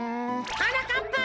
はなかっぱ！